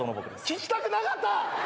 聞きたくなかった！